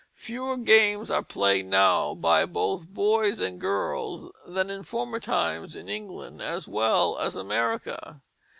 Fewer games are played now by both boys and girls than in former times, in England as well as America.